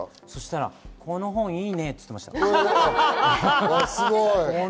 この本いいねって言ってました。